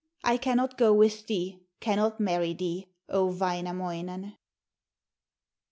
I cannot go with thee, cannot marry thee, O Wainamoinen.'